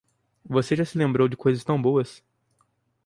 Você já se lembrou de coisas tão boas?